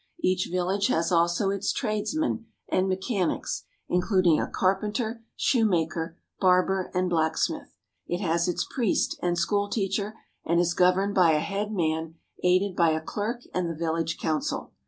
Each village has also its trades men and mechanics, including a carpenter, shoemaker, barber, and blacksmith. It has its priest and school teacher, and is governed by a headman aided by a clerk and the village council.